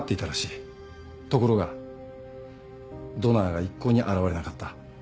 ところがドナーが一向に現れなかった。